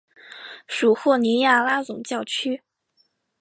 属霍尼亚拉总教区。